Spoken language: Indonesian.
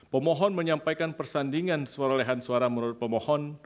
pemohon menyampaikan persandingan suarahan suara menurut pemohon